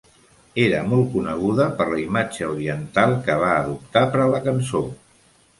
Era molt coneguda per la imatge oriental que va adoptar per a la cançó.